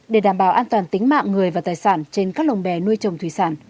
để đảm bảo an toàn tính mạng người và tài sản trên các lồng bè nuôi trồng thủy sản